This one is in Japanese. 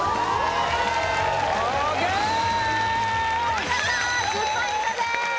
お見事１０ポイントです